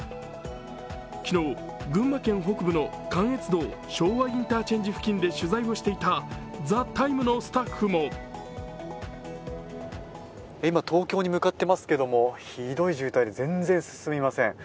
昨日、群馬県北部の関越道昭和インターチェンジ付近で取材をしていた「ＴＨＥＴＩＭＥ，」のスタッフも今、東京に向かっていますけれども、ひどい渋滞で全然進みません。